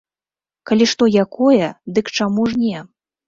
Калі што якое, дык чаму ж не!